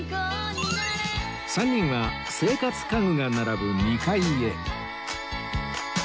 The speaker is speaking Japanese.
３人は生活家具が並ぶ２階へ